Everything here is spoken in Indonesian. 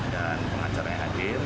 dan pengacaranya hadir